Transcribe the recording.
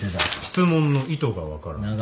質問の意図が分からない。